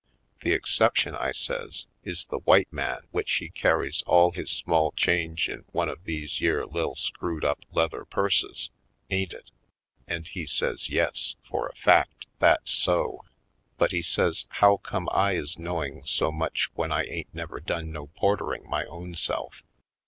The exception," I says, "is the w'ite man w'ich he carries all his small change in one of these yere lil' screwed up leather purses. Ain't it?" And he says yes, for a fact, that's so. But he says how come I is knowing so much when I ain't never done no portering my own self.